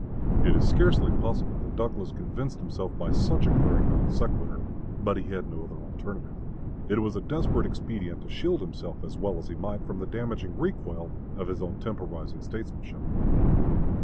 It is scarcely possible that Douglas convinced himself by such a glaring non sequitur; but he had no other alternative. It was a desperate expedient to shield himself as well as he might from the damaging recoil of his own temporizing statesmanship.